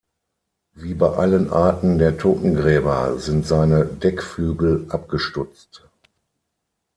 Wie bei allen Arten der Totengräber sind seine Deckflügel abgestutzt.